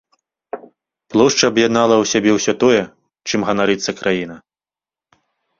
Плошча аб'яднала ў сабе ўсё тое, чым ганарыцца краіна.